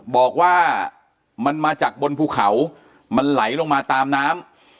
บอกว่ามันมาจากบนภูเขามันไหลลงมาตามน้ำ